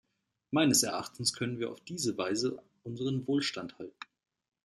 Meines Erachtens können wir auf diese Weise unseren Wohlstand halten.